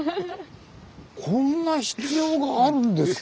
こんな必要があるんですか？